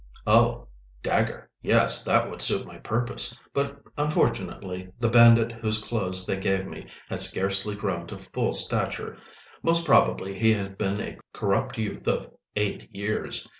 Oh! dagger! Yes, that would suit my purpose. But unfortunately the bandit whose clothes they gave me had scarcely grown to full stature. Most probably he had been a corrupt youth of eight years.